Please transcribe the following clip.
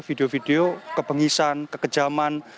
video video kebengisan kekejaman